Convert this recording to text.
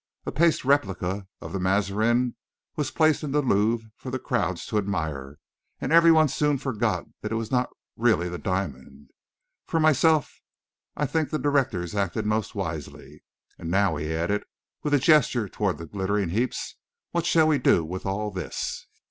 A paste replica of the Mazarin was placed in the Louvre for the crowds to admire, and every one soon forgot that it was not really the diamond. For myself, I think the directors acted most wisely. And now," he added, with a gesture toward the glittering heaps, "what shall we do with all this?"